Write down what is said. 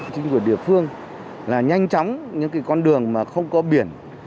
chính quyền địa phương là nhanh chóng những con đường mà không có biển